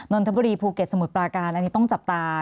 นนทบุรีภูเก็ตสมุทรปราการอันนี้ต้องจับตา